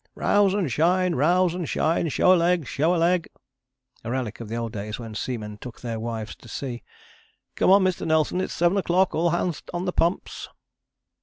"Rouse and shine, rouse and shine: show a leg, show a leg" (a relic of the old days when seamen took their wives to sea). "Come on, Mr. Nelson, it's seven o'clock. All hands on the pumps!"